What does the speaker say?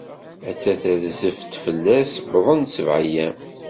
Atta terzef-d, fell-as wwḍen sebɛ-yyam.